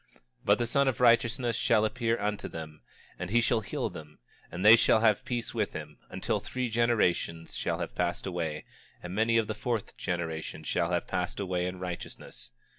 26:9 But the Son of righteousness shall appear unto them; and he shall heal them, and they shall have peace with him, until three generations shall have passed away, and many of the fourth generation shall have passed away in righteousness.